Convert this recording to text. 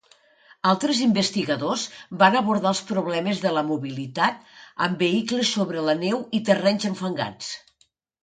Altres investigadors van abordar els problemes de la mobilitat amb vehicles sobre la neu i terrenys enfangats.